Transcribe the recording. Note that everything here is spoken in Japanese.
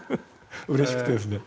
うれしくてですね。